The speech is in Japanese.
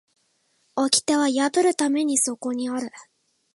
掟は破るためにそこにある